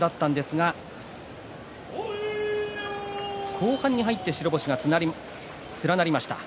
後半に入って白星が連なりました。